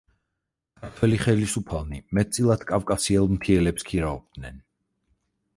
ქართველი ხელისუფალნი მეტწილად კავკასიელ მთიელებს ქირაობდნენ.